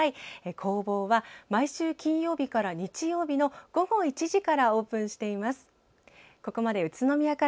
工房は、毎週金曜日から日曜日の午後１時からオープンしています。